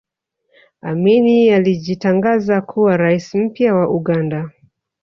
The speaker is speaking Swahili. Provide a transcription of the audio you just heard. amini alijitangaza kuwa rais mpya wa uganda